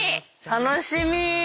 楽しみ！